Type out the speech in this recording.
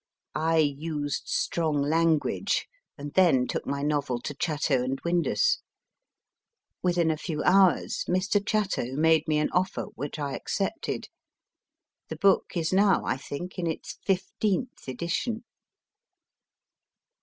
I used strong language, and then took my novel to Chatto & Windus. Within a few hours Mr. Chatto made me an offer which I accepted. The book is now, I think, in its fifteenth edition.